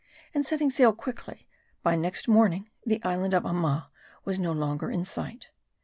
And setting sail quickly, by next morning the island of Amma was no longer in sight.